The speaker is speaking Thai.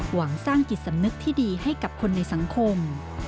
หวังสร้างจิตสำนึกที่ดีให้กับคนในสังคม